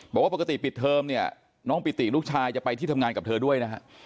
บอกว่าปกติปิดเทอมเนี่ยน้องปิติลูกชายจะไปที่ทำงานกับเธอด้วยนะฮะ